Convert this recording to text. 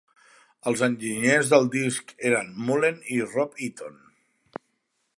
Els enginyers del disc eren Mullen i Rob Eaton.